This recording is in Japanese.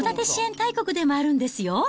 大国でもあるんですよ。